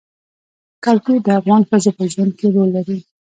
کلتور د افغان ښځو په ژوند کې رول لري.